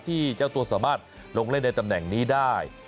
เจ้าตัวสามารถลงเล่นในตำแหน่งนี้ได้